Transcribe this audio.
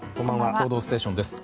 「報道ステーション」です。